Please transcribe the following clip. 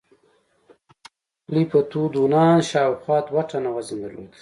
ګلیپتودونانو شاوخوا دوه ټنه وزن درلود.